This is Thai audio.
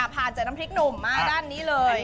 มาผ่านเป็นน้ำพริกหนุ่มมาด้านนี้เลย